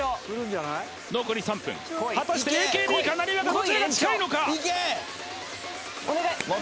残り３分果たしてＡＫＢかなにわかどちらが近いのか？